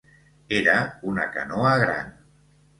Era una canoa gran.